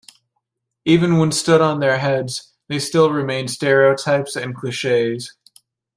Even when stood on their heads, they still remain stereotypes and cliches.